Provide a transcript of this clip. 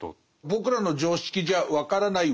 僕らの常識じゃ分からない